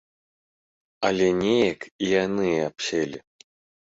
Але неяк і яны абселі.